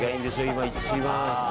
今一番。